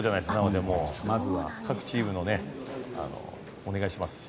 まずは各チームの方お願いします。